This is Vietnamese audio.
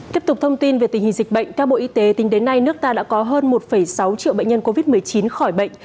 tiếp tục thông tin về tình hình dịch bệnh theo bộ y tế tính đến nay nước ta đã có hơn một sáu triệu bệnh nhân covid một mươi chín khỏi bệnh